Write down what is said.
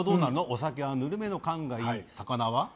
「お酒はぬるめの燗がいい」「肴は」